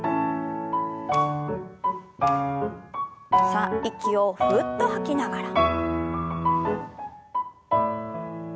さあ息をふうっと吐きながら。